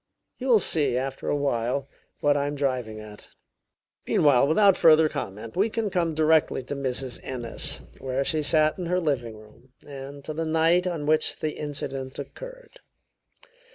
You will see, after a while, what I am driving at. Meanwhile, without further comment, we can come directly to Mrs. Ennis, where she sat in her drawing room, and to the night on which the incident occurred.